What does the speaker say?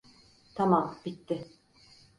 Tamam, bitti.